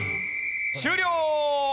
終了！